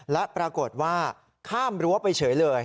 และปรากฏว่าข้ามรั้วไปเฉยเลย